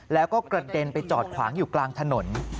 แล้วก็กระเด็นไปจอดขวางอยู่กลางถนน